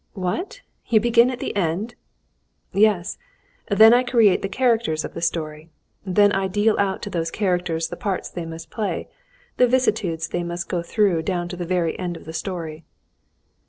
"What, you begin at the end?" "Yes. Then I create the characters of the story. Then I deal out to these characters the parts they must play, and the vicissitudes they must go through down to the very end of the story."